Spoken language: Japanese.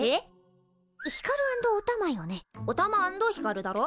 おたま＆ひかるだろ。